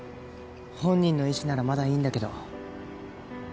本人の意思ならまだいいんだけど。